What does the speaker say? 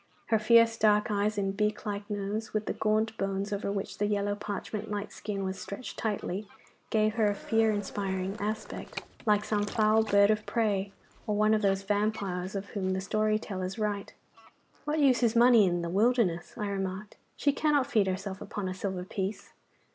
Her fierce dark eyes and beak like nose, with the gaunt bones over which the yellow parchment like skin was stretched tightly, gave her a fear inspiring aspect, like some foul bird of prey, or one of those vampires of whom the story tellers write. 'What use is money in the wilderness?' I remarked; 'she cannot feed herself upon a silver piece.